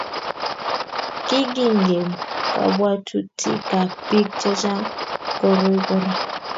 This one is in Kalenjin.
Kikingem kabwatutikab bik chechang koroi kora